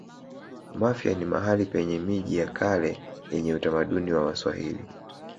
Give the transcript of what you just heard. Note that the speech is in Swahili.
mafia ni mahali penye miji ya kale yenye utamaduni wa waswahili